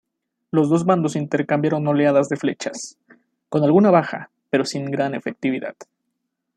Los dos bandos intercambiaron oleadas de flechas, con alguna baja pero sin gran efectividad.